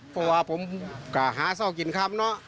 เพราะว่าผมก็หาเศร้ากินครับเนอะ